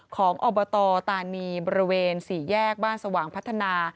อบตตานีบริเวณ๔แยกบ้านสว่างพัฒนา